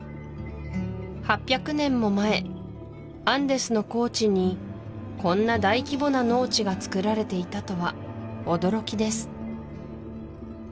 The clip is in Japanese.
８００年も前アンデスの高地にこんな大規模な農地がつくられていたとは驚きです